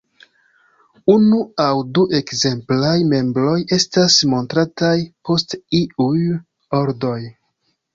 Unu aŭ du ekzemplaj membroj estas montrataj post iuj ordoj.